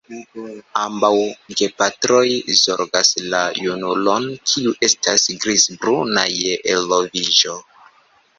Ambaŭ gepatroj zorgas la junulon, kiu estas grizbruna je eloviĝo.